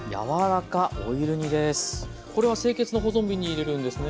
これは清潔な保存瓶に入れるんですね。